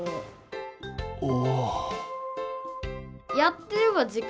お。